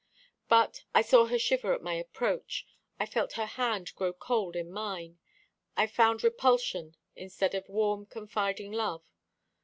But I saw her shiver at my approach; I felt her hand grow cold in mine; I found repulsion instead of warm confiding love.